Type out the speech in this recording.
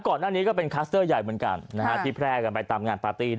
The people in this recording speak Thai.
ก่อนหน้านี้ก็เป็นคลัสเตอร์ใหญ่เหมือนกันที่แพร่กันไปตามงานปาร์ตี้